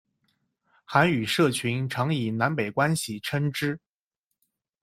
韩语社群常以南北关系称之。